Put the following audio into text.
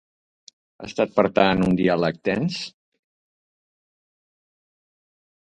Ha estat, per tant, un diàleg tens?